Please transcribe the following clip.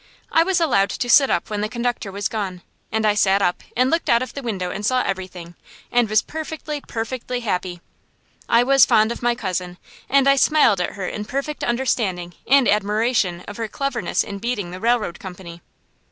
I was allowed to sit up when the conductor was gone, and I sat up and looked out of the window and saw everything, and was perfectly, perfectly happy. I was fond of my cousin, and I smiled at her in perfect understanding and admiration of her cleverness in beating the railroad company.